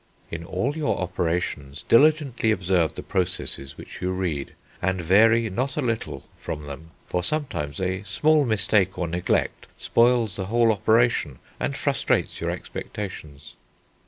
"In all your operations diligently observe the processes which you read, and vary not a little from them, for sometimes a small mistake or neglect spoils the whole operation, and frustrates your expectations.